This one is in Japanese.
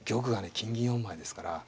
金銀４枚ですから。